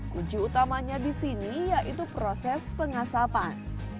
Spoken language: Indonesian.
kunci utamanya di sini yaitu proses pengasapan